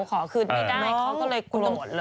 ขอคืนไม่ได้เขาก็เลยโกรธเลย